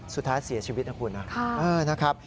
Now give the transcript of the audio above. สุดท้ายเสียชีวิตนะคุณนะนะครับ